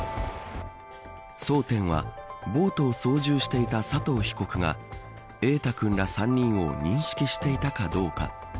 争点はボートを操縦していた佐藤被告が瑛大君ら３人を認識していたかどうか。